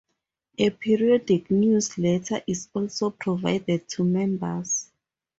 A periodic newsletter is also provided to members.